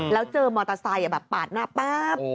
แล้วเจอมอเตอร์ไซค์แบบปาดหน้าแป๊บ